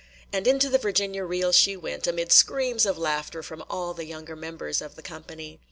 And into the Virginia reel she went, amid screams of laughter from all the younger members of the company.